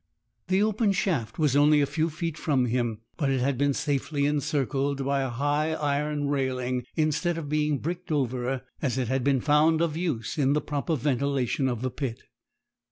The open shaft was only a few feet from him; but it had been safely encircled by a high iron railing, instead of being bricked over, as it had been found of use in the proper ventilation of the pit.